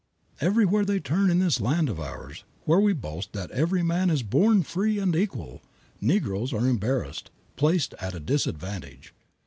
Everywhere they turn in this land of ours, where we boast that every man is "born free and equal," Negroes are embarrassed, placed at a disadvantage.